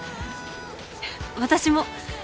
私も。